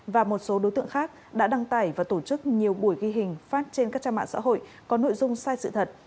và một số đối tượng khác đã đăng tải và tổ chức nhiều buổi ghi hình phát trên các trang mạng xã hội có nội dung sai sự thật